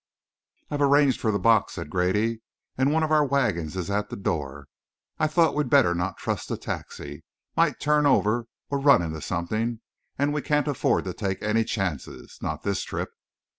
"I've arranged for the box," said Grady, "and one of our wagons is at the door. I thought we'd better not trust a taxi might turn over or run into something, and we can't afford to take any chances not this trip.